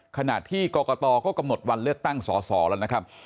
ขณะที่กรกตก็กำหนดวันเลือกตั้งสอสอแล้วนะครับ